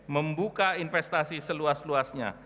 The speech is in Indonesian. membuka investasi seluas luasnya